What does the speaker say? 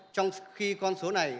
trong khi con số này